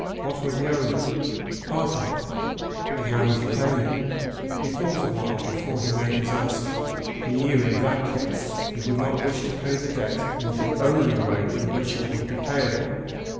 "What would you owe me?" "Half of it." "And how would you pay me?" He thought a while before he made his answer. He knew that in that case he would not wish to pay the debt in the only way in which it would be payable.